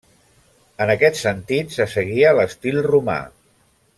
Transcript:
En aquest sentit se seguia l'estil romà.